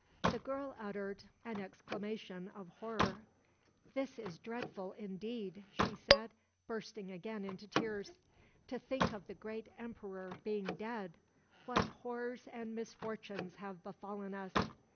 The girl uttered an exclamation of horror. "This is dreadful, indeed," she said, bursting again into tears. "To think of the great emperor being dead! What horrors and misfortunes have befallen us!